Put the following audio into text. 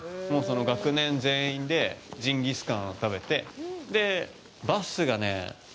学年全員でジンギスカンを食べてバスがね